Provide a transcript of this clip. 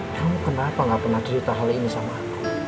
kamu kenapa gak pernah cerita hal ini sama aku